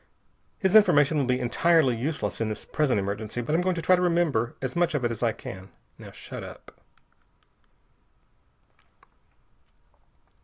His information will be entirely useless in this present emergency, but I'm going to try to remember as much of it as I can. Now shut up."